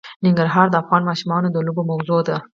ننګرهار د افغان ماشومانو د لوبو موضوع ده.